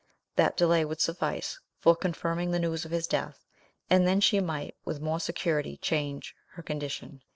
That delay would suffice for confirming the news of his death, and then she might with more security change her condition.